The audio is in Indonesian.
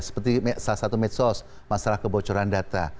seperti salah satu medsos masalah kebocoran data